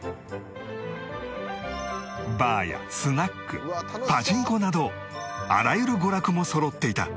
バーやスナックパチンコなどあらゆる娯楽もそろっていた